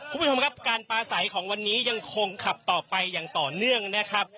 คุณผู้ชมครับการปลาใสของวันนี้ยังคงขับต่อไปอย่างต่อเนื่องนะครับ